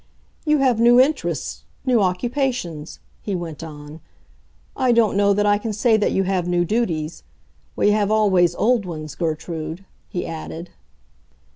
"You have new interests, new occupations," he went on. "I don't know that I can say that you have new duties. We have always old ones, Gertrude," he added.